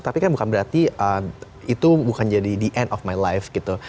tapi kan bukan berarti itu bukan jadi the end of my life gitu